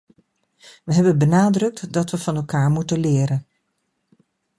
We hebben benadrukt dat we van elkaar moeten leren.